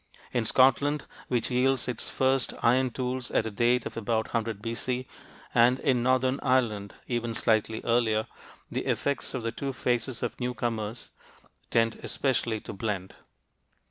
In Scotland, which yields its first iron tools at a date of about 100 B.C., and in northern Ireland even slightly earlier, the effects of the two phases of newcomers tend especially to blend.